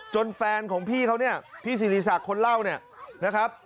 แฟนของพี่เขาเนี่ยพี่สิริษักคนเล่าเนี่ยนะครับ